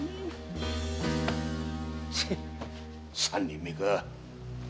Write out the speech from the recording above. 三人目か。